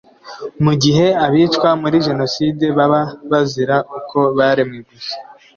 mu gihe abicwa muri jenoside baba bazira uko baremwe gusa